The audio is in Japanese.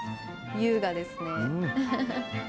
優雅ですね。